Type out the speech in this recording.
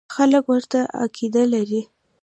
خلک ورته عقیده لري.